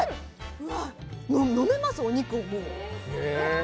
うわっ、もう飲めます、お肉、もう。